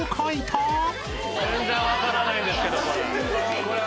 全然分からないんですけどこれ。